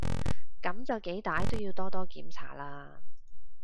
噉就幾歹都要多多檢查啦